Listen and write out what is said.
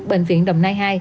bệnh viện đồng nai hai